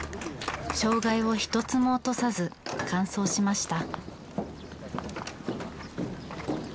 障害を一つも落とさず完走しました。